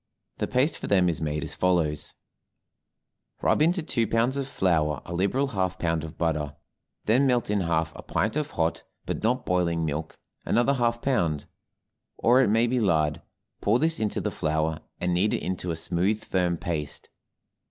The paste for them is made as follows: Rub into two pounds of flour a liberal half pound of butter, then melt in half a pint of hot, but not boiling milk, another half pound or it may be lard; pour this into the flour, and knead it into a smooth, firm paste.